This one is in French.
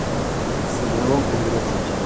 C'est vraiment problématique.